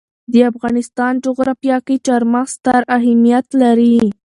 د افغانستان جغرافیه کې چار مغز ستر اهمیت لري.